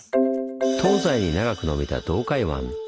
東西に長くのびた洞海湾。